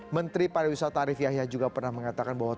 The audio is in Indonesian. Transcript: menteri pariwisata arief yahya juga pernah mengatakan bahwa